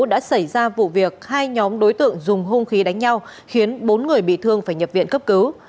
đã xảy ra vụ việc hai nhóm đối tượng dùng hung khí đánh nhau khiến bốn người bị thương phải nhập viện cấp cứu